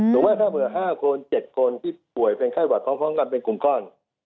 ว่าถ้าเผื่อ๕คน๗คนที่ป่วยเป็นไข้หวัดพร้อมกันเป็นกลุ่มก้อน